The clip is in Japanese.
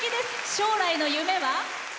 将来の夢は？